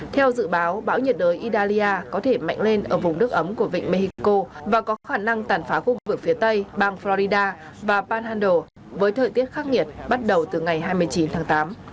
theo dự báo bão nhiệt đới idalia có thể mạnh lên ở vùng nước ấm của vịnh mexico và có khả năng tàn phá khu vực phía tây bang florida và pando với thời tiết khắc nghiệt bắt đầu từ ngày hai mươi chín tháng tám